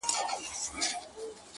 دغه رنگينه او حسينه سپوږمۍ~